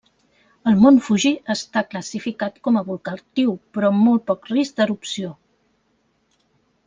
El mont Fuji està classificat com a volcà actiu, però amb poc risc d'erupció.